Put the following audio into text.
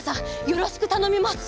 よろしくたのみます！